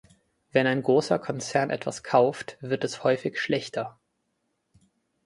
Wenn ein großer Konzern etwas kauft, wird es häufig schlechter.